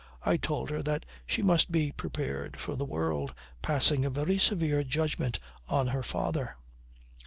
I told her that she must be prepared for the world passing a very severe judgment on her father